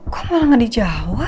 kok malah gak dijawab